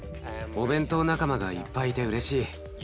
お弁当仲間がいっぱいいてうれしい。